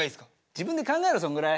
自分で考えろそんぐらい。